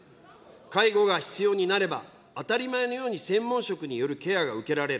介護が必要になれば、当たり前のように専門職によるケアが受けられる。